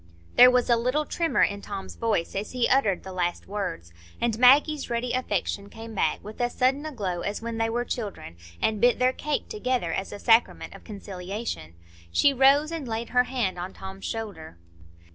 There was a little tremor in Tom's voice as he uttered the last words, and Maggie's ready affection came back with as sudden a glow as when they were children, and bit their cake together as a sacrament of conciliation. She rose and laid her hand on Tom's shoulder.